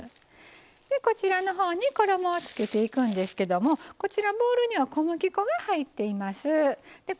こちらのほうに衣をつけていくんですけどボウルには小麦粉が入っています。